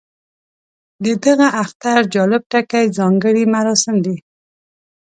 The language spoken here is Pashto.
د دغه اختر جالب ټکی ځانګړي مراسم دي.